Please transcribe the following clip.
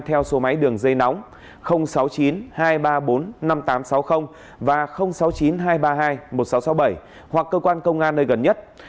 theo số máy đường dây nóng sáu mươi chín hai trăm ba mươi bốn năm nghìn tám trăm sáu mươi và sáu mươi chín hai trăm ba mươi hai một nghìn sáu trăm sáu mươi bảy hoặc cơ quan công an nơi gần nhất